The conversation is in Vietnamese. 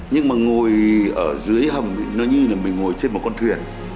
nhưng mà ngồi ở dưới hầm nó như là mình ngồi trên một con thuyền